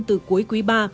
từ cuối quý ba